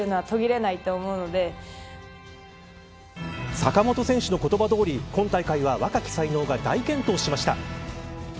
坂本選手の言葉どおり今大会は若き才能が大健闘しました。